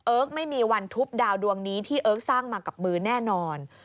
ไม่มีวันทุบดาวดวงนี้ที่เอิ๊กสร้างมากับมือแน่นอน